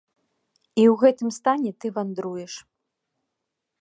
І ў гэтым стане ты вандруеш.